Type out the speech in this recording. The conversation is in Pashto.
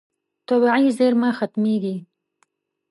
طبیعي زیرمه ختمېږي.